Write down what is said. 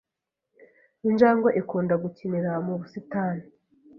Injangwe ikunda gukinira mu busitani.